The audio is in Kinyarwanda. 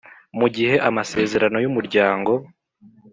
mu gihe amasezerano y'umuryango